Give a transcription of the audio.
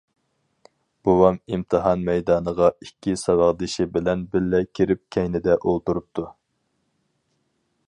بوۋام ئىمتىھان مەيدانىغا ئىككى ساۋاقدىشى بىلەن بىللە كىرىپ كەينىدە ئولتۇرۇپتۇ.